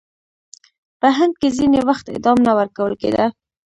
په هند کې ځینې وخت اعدام نه ورکول کېده.